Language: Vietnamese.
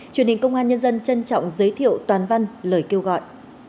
truyền hình công an nhân dân trân trọng giới thiệu toàn văn lời kêu gọi